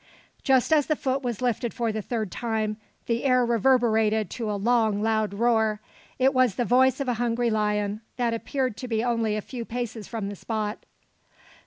Just as the foot was lifted for the third time, the air reverberated to a long, loud roar. It was the voice of a hungry lion, that appeared to be only a few paces from the spot.